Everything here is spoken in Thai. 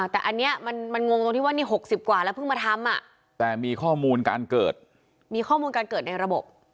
แต่อันนี้มันงงตรงที่ว่านี่๖๐กว่าแล้วเพิ่งมาทำแต่มีข้อมูลการเกิดมีข้อมูลการเกิดในระบบ